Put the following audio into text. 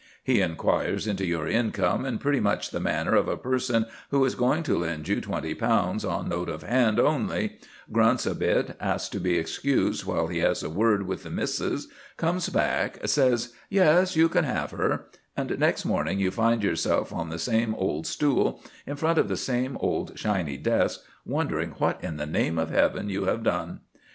He inquires into your income in pretty much the manner of a person who is going to lend you £20 on note of hand only, grunts a bit, asks to be excused while he has a word with the missis; comes back, says, "Yes, you can have her," and next morning you find yourself on the same old stool, in front of the same old shiny desk, wondering what in the name of heaven you have done.